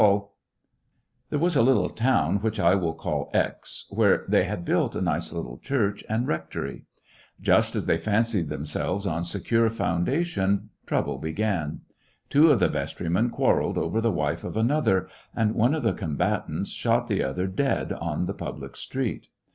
Indomitable There was a little town which I will call X ^ where they had built a nice little church and rectory. Just as they fancied themselves on secure foundation, trouble began. Two of the vestrymen quarrelled over the wife of another, and one of the combatants shot the other dead on the public street.